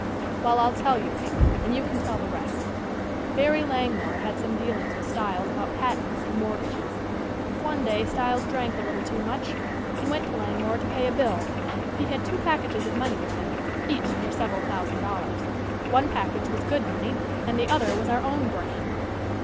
"Well, I'll tell you, Pink, and you can tell the rest. Barry Langmore had some dealings with Styles about patents and mortgages. One day Styles drank a little too much, and went to Langmore to pay a bill. He had two packages of money with him, each for several thousand dollars. One package was good money and the other was our own brand.